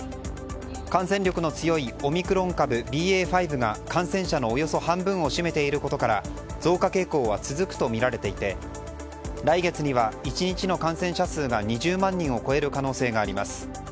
感染力の強いオミクロン株ＢＡ．５が感染者のおよそ半分を占めていることから増加傾向は続くとみられていて来月には１日の感染者数が２０万人を超える可能性があります。